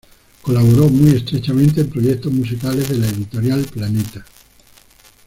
Colaboró muy estrechamente en proyectos musicales de la editorial Planeta.